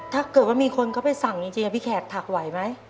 ถ้าเกิดว่ามีคนเขาไปสั่งจริงพี่แขกถักไหวไหม